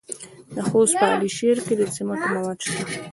د خوست په علي شیر کې د سمنټو مواد شته.